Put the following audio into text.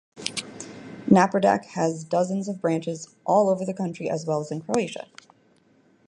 Napredak has dozens of branches all over the country as well as in Croatia.